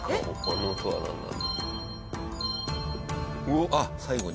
えっ？あっ最後に。